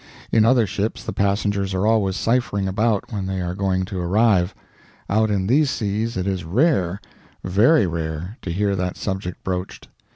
In other ships the passengers are always ciphering about when they are going to arrive; out in these seas it is rare, very rare, to hear that subject broached.